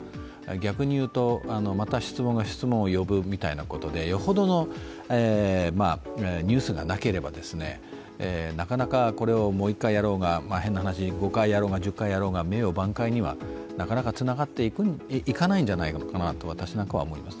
逆に言うと、また質問が質問を呼ぶみたいなことでよほどのニュースがなければ、なかなか、これをもう一回やろうが、変な話、５回やろうが、１０回やろうが名誉挽回にはなかなかつながっていかないんじゃないのかなと私なんかは思います。